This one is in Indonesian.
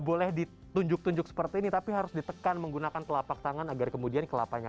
boleh ditunjuk tunjuk seperti ini tapi harus ditekan menggunakan telapak tangan agar kemudian kelapanya